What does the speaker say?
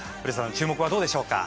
注目はどうでしょうか。